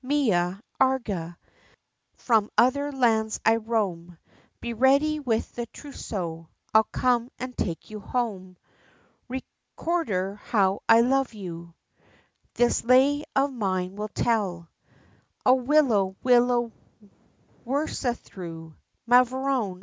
Mia! Agrah! From other lands I roam, Be ready with the trousseau, I'll come, and take you home! Recordar, how I love you, This lay of mine will tell, O willow! willow! wirrasthrue! Mavrone!